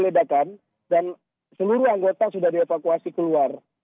ledakan dan seluruh anggota sudah dievakuasi keluar